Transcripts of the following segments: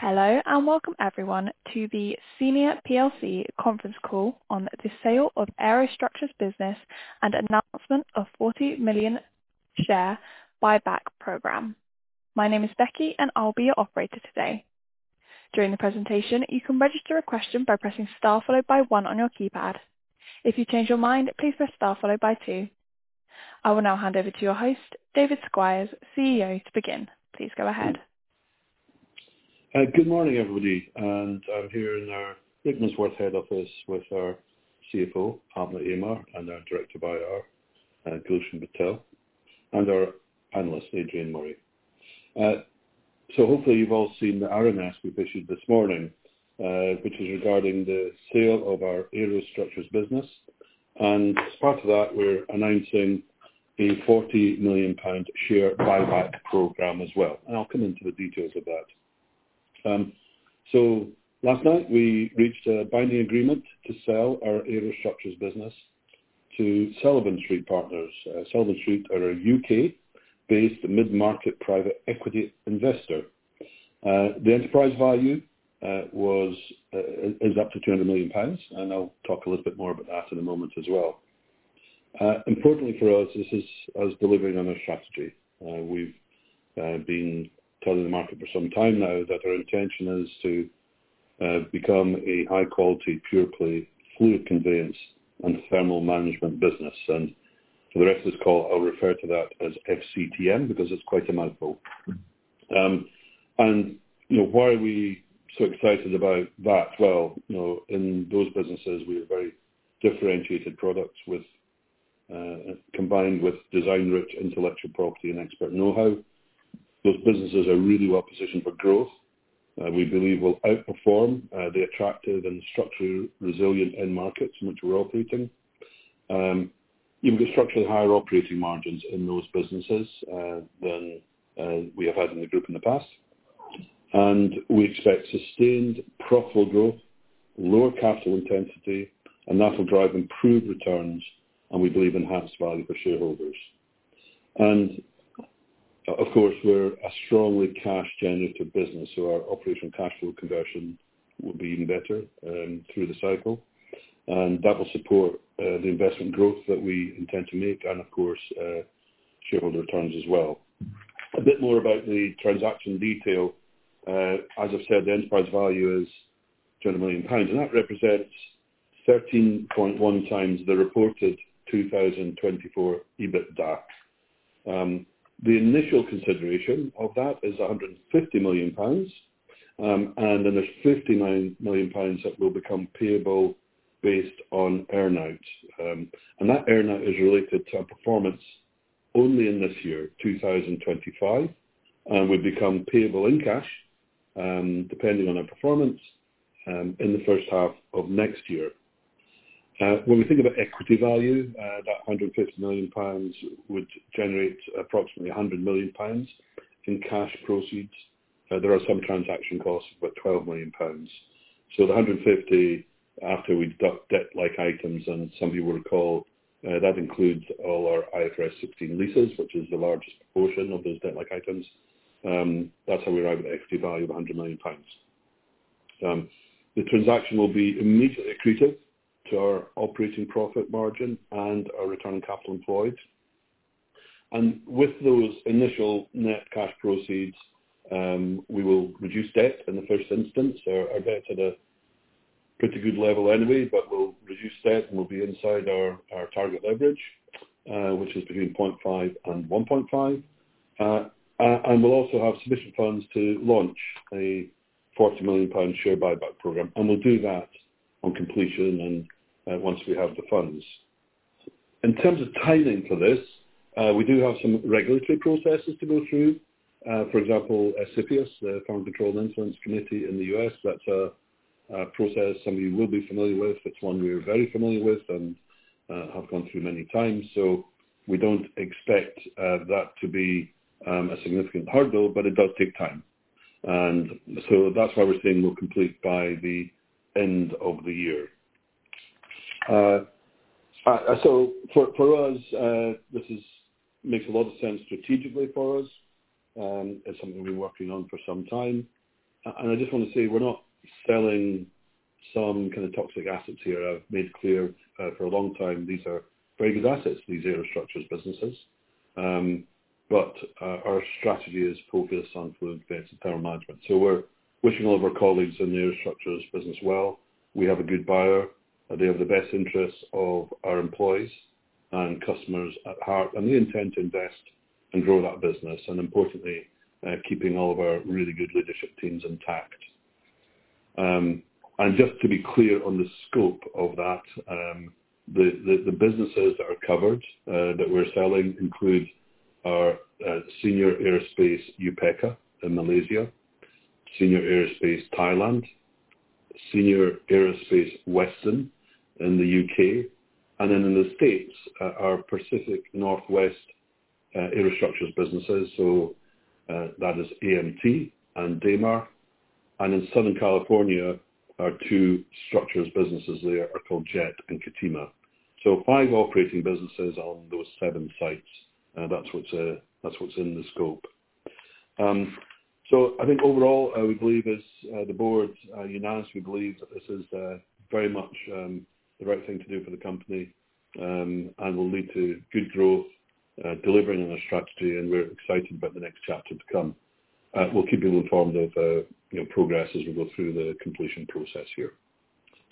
Hello and welcome everyone to the Senior plc conference call on the Sale of Aerostructures business and announcement of the 40 million share buyback program. My name is Becky, and I'll be your operator today. During the presentation, you can register a question by pressing star followed by one on your keypad. If you change your mind, please press star followed by two. I will now hand over to your host, David Squires, CEO, to begin. Please go ahead. Good morning, everybody. I'm here in our Business Watts head office with our CFO, Alpna Amar, our Director of IR, Gulshen Patel, and our analyst, Adrian Murray. Hopefully you've all seen the RNS we've issued this morning, which is regarding the sale of our Aerostructures business. As part of that, we're announcing a EUR 40 million share buyback program as well. I'll come into the details of that. Last night we reached a binding agreement to sell our Aerostructures business to Sullivan Street Partners. Sullivan Street are a UK-based mid-market private equity investor. The enterprise value is up to EUR 200 million, and I'll talk a little bit more about that in a moment as well. Importantly for us, this is us delivering on our strategy. We've been telling the market for some time now that our intention is to become a high-quality pure play fluid conveyance and thermal management business. For the rest of this call, I'll refer to that as FCTM because it's quite a mouthful. You know why are we so excited about that? In those businesses, we have very differentiated products combined with design-rich intellectual property and expert know-how. Those businesses are really well positioned for growth. We believe we'll outperform. They're attractive and structurally resilient in markets, much of rotating. You can get structurally higher operating margins in those businesses than we have had in the group in the past. We expect sustained profitable growth, lower capital intensity, and that will drive improved returns. We believe in house value for shareholders. Of course, we're a strongly cash-generated business, so our operational capital conversion will be even better through the cycle. That will support the investment growth that we intend to make and, of course, shareholder returns as well. A bit more about the transaction detail. As I've said, the enterprise value is EUR 200 million, and that represents 13.1x the reported 2024 EBITDA. The initial consideration of that is EUR 150 million, and then there's EUR 59 million that will become payable based on earnout. That earnout is related to our performance only in this year, 2025. We've become payable in cash, depending on our performance in the first half of next year. When we think about value, that EUR 150 million would generate approximately EUR 100 million in cash proceeds. There are some transaction costs of about EUR 12 million. The 150 million, after we deduct debt-like items, and some of you will recall, that includes all our IFRS 16 leases, which is the largest portion of those debt-like items. That's how we arrive at the equity value of EUR 100 million. The transaction will be immediately accretive to our operating profit margin and our return on capital employed. With those initial net cash proceeds, we will reduce debt in the first instance. Our debt is at a pretty good level anyway, but we'll reduce debt and we'll be inside our target leverage, which is between 0.5 and 1.5. We'll also have sufficient funds to launch a EUR 40 million share buyback program. We'll do that on completion and once we have the funds. In terms of tied into this, we do have some regulatory processes to go through. For example, SFEO, the Foundry Coal Instruments Committee in the U.S., that's a process some of you will be familiar with. It's one we're very familiar with and have gone through many times. We don't expect that to be a significant part though, but it does take time. That's why we're saying we'll complete by the end of the year. For us, this makes a lot of sense strategically for us. It's something we've been working on for some time. I just want to say we're not selling some kind of toxic assets here. I've made clear for a long time these are very good assets, these Aerostructures businesses. Our strategy is focused on fluid-based thermal management. We're wishing all of our colleagues in the Aerostructures business well. We have a good buyer. They have the best interests of our employees and customers at heart. We intend to invest and grow that business. Importantly, keeping all of our really good leadership teams intact. Just to be clear on the scope of that, the businesses that are covered that we're selling include our Senior Aerospace UPECA in Malaysia, Senior Aerospace Thailand, Senior Aerospace Western in the UK, and then in the States, our Pacific Northwest Aerostructures businesses. That is AMT and Damar. In Southern California, our two structured businesses there are called JET and Ketema. Five operating businesses on those seven sites. That's what's in the scope. Overall, we believe as the board unites, we believe that this is very much the right thing to do for the company and will lead to good growth delivering on our strategy. We're excited about the next chapter to come. We'll keep you informed of progress as we go through the completion process here.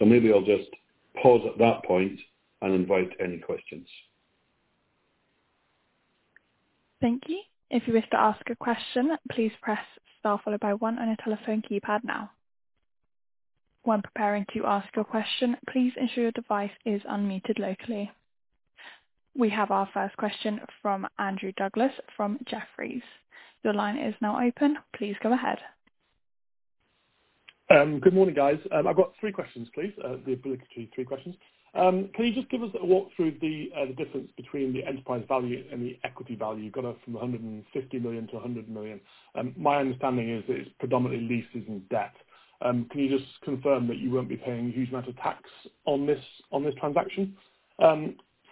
I'll just pause at that point and invite any questions. Thank you. If you wish to ask a question, please press star followed by one on your telephone keypad now. When preparing to ask your question, please ensure your device is unmuted locally. We have our first question from Andrew Douglas from Jefferies. Your line is now open. Please go ahead. Good morning, guys. I've got three questions, please. Can you just give us a walk through the difference between the enterprise value and the equity value? You've got it from 150 million-EUR100 million. My understanding is that it's predominantly leases and debt. Can you just confirm that you won't be paying a huge amount of tax on this transaction?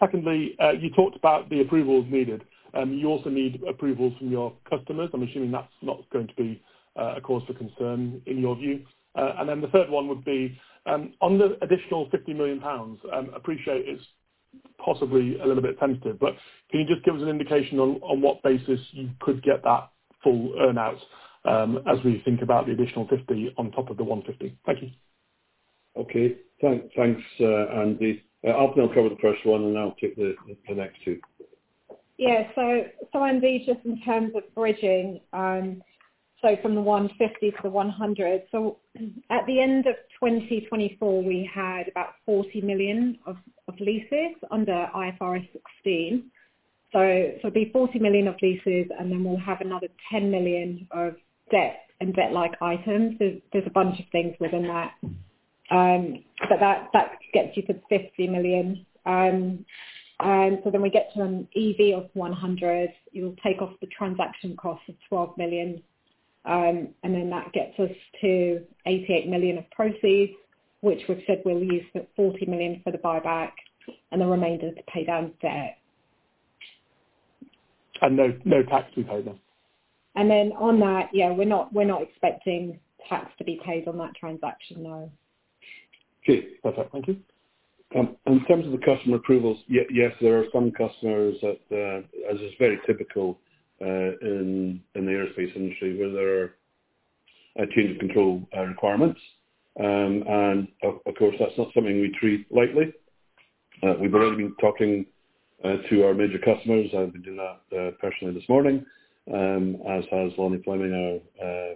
Secondly, you talked about the approvals needed. You also need approvals from your customers. I'm assuming that's not going to be a cause for concern in your view. The third one would be on the additional EUR 50 million. Appreciate it's possibly a little bit tentative, but can you just give us an indication on what basis you could get that full earnout as we think about the additional 50 million on top of the 150 million? Thank you. Okay. Thanks, Andy. Alpna will go over the first one and I'll take the next two. Yeah. Andy, just in terms of bridging, from the 150 million to the 100 million. At the end of 2024, we had about 40 million of leases under IFRS 16. It'll be 40 million of leases, and then we'll have another 10 million of debt and debt-like items. There's a bunch of things within that, but that gets you to 50 million. We get to an EV of 100 million. You'll take off the transaction cost of 12 million, and that gets us to 88 million of proceeds, which we've said we'll use the 40 million for the buyback and the remainder to pay down debt. is no tax to be paid there. We're not expecting tax to be paid on that transaction, though. Okay, perfect. Thank you. In terms of the customer approvals, yes, there are some customers that, as is very typical in the aerospace industry, where there are change of control requirements. Of course, that's not something we treat lightly. We've already been talking to our major customers. I've been doing that personally this morning, as has Launie Fleming, our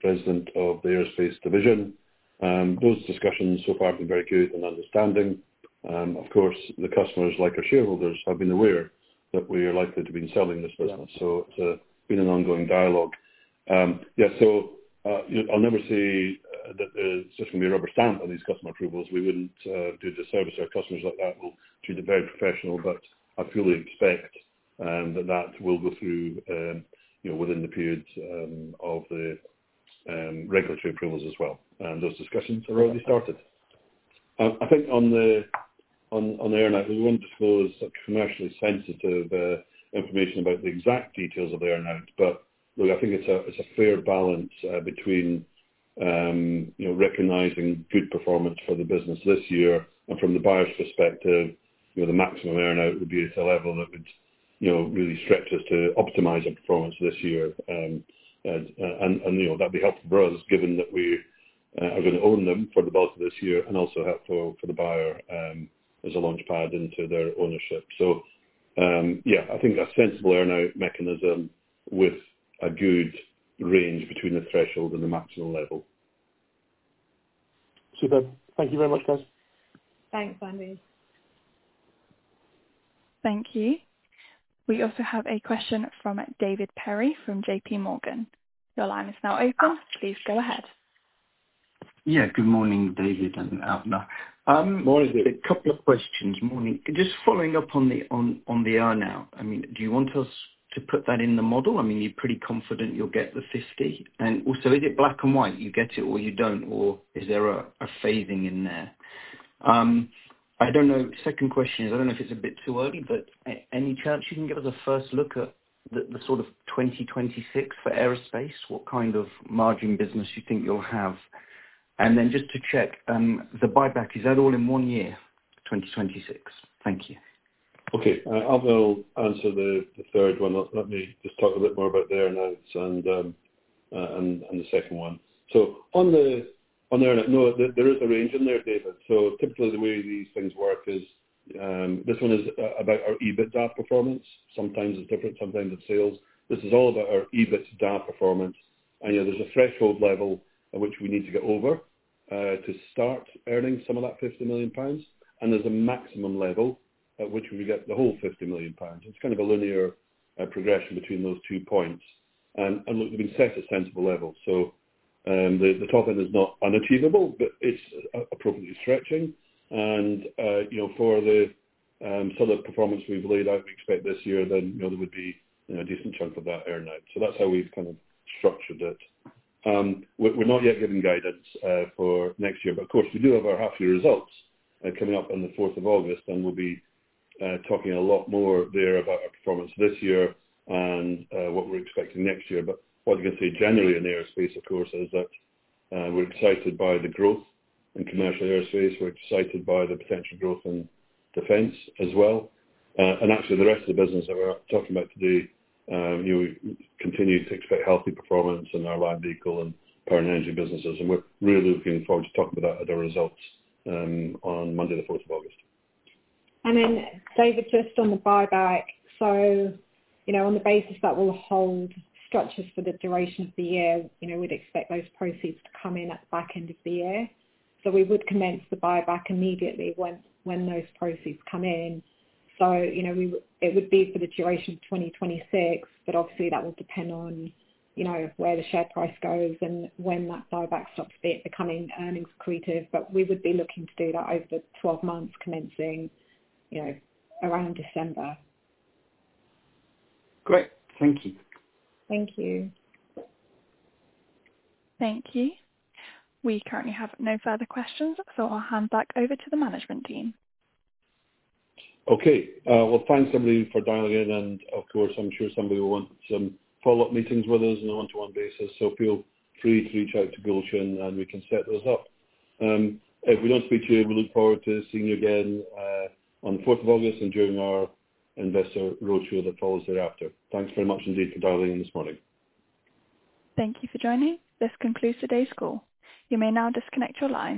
President of the Aerospace division. Those discussions so far have been very good and understanding. The customers, like our shareholders, have been aware that we are likely to be selling this business. It's been an ongoing dialogue. I'll never say that there's just going to be a rubber stamp on these customer approvals. We wouldn't do disservice to our customers like that. We'll treat it very professionally, but I fully expect that will go through within the periods of the regulatory approvals as well. Those discussions are already started. I think on the earnout, we won't disclose commercially sensitive information about the exact details of the earnout, but I think it's a fair balance between recognizing good performance for the business this year. From the buyer's perspective, the maximum earnout would be at a level that would really stretch us to optimize our performance this year. That'd be helpful for us, given that we are going to own them for the bulk of this year and also helpful for the buyer as a launchpad into their ownership. I think a sensible earnout mechanism with a good range between the threshold and the maximum level. Superb. Thank you very much, guys. Thanks, Andy. Thank you. We also have a question from David Perry from JPMorgan. Your line is now open. Please go ahead. Yeah. Good morning, David and Alpna. Morning, David. A couple of questions. Morning. Just following up on the earnout. Do you want us to put that in the model? You're pretty confident you'll get the 50 million? Is it black and white, you get it or you don't, or is there a phasing in there? Second question is, I don't know if it's a bit too early, but any chance you can give us a first look at the sort of 2026 for aerospace? What kind of margin business do you think you'll have? Just to check, the buyback, is that all in one year, 2026? Thank you. Okay. I'll answer the third one. Let me just talk a bit more about the earnouts and the second one. On the earnout, no, there is a range in there, David. Typically, the way these things work is this one is about our EBITDA performance. Sometimes it's different. Sometimes it's sales. This is all about our EBITDA performance. There's a threshold level at which we need to get over to start earning some of that EUR 50 million. There's a maximum level at which we get the whole EUR 50 million. It's kind of a linear progression between those two points. They've been set at a sensible level. The top end is not unachievable, but it's appropriately stretching. For the performance we've laid out, we expect this year, then there would be a decent chunk of that earnout. That's how we've kind of structured it. We're not yet giving guidance for next year, but of course, we do have our half-year results coming up on the 4th of August. We'll be talking a lot more there about our performance this year and what we're expecting next year. What I can say generally in aerospace, of course, is that we're excited by the growth in commercial aerospace. We're excited by the potential growth in defense as well. Actually, the rest of the business that we're talking about today, we continue to expect healthy performance in our light vehicle and power and energy businesses. We're nearly looking forward to talk about that at our results on Monday, the 4th of August. David, just on the buyback. On the basis that we'll hold structures for the duration of the year, we'd expect those proceeds to come in at the back end of the year. We would commence the buyback immediately when those proceeds come in. It would be for the duration of 2026, but obviously, that will depend on where the share price goes and when that buyback stops becoming earnings accretive. We would be looking to do that over the 12 months commencing around December. Great. Thank you. Thank you. Thank you. We currently have no further questions, so I'll hand back over to the management team. We'll find somebody for dialing in. Of course, I'm sure somebody will want some follow-up meetings with us on a one-to-one basis. Feel free to reach out to Gulshen and we can set those up. If we don't speak to you, we look forward to seeing you again on the 4th of August and during our investor roadshow that follows thereafter. Thanks very much, indeed, for dialing in this morning. Thank you for joining. This concludes today's call. You may now disconnect your line.